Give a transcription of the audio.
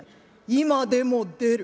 今でも出る」。